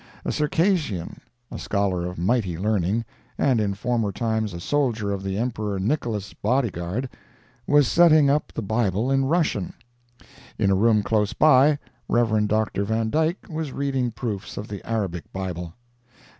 A Circassian—a scholar of mighty learning, and in former times a soldier of the Emperor Nicholas's Body Guard—was setting up the Bible in Russian. In a room close by, Rev. Dr. Van Dyck was reading proofs of the Arabic Bible.